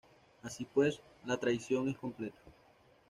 Así pues, la traición es completa.